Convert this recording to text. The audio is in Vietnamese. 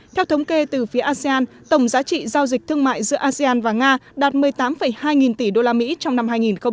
theo thống kê từ phía asean tổng giá trị giao dịch thương mại giữa asean và nga đạt một mươi tám hai nghìn tỷ usd trong năm hai nghìn một mươi chín